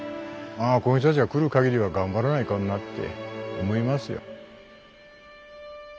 あこういう人たちが来るかぎりは頑張らないかんなって思いますよ。